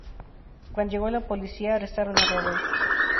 Cuando llegó la policía, arrestaron a Roberts.